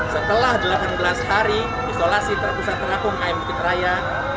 setelah delapan belas hari isolasi terpusat terapung km bukit raya